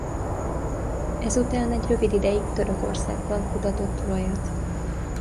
Ezután egy rövid ideig Törökországban kutatott olajat.